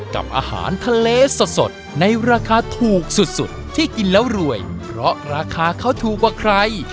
กับอาหารทะเลสดในราคาถูกสุดสุดที่กินแล้วรวยเพราะราคาเขาถูกกว่าใคร